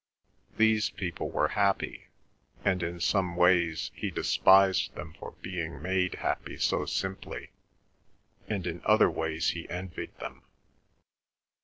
These people were happy, and in some ways he despised them for being made happy so simply, and in other ways he envied them.